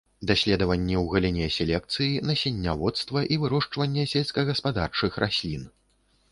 Даследаванні ў галіне селекцыі, насенняводства і вырошчвання сельскагаспадарчых раслін.